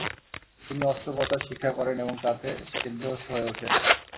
তিনি অস্ত্রপচার শিক্ষা করেন এবং তাতে সিদ্ধহস্ত হয়ে ওঠেন।